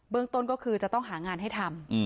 ต้นก็คือจะต้องหางานให้ทำ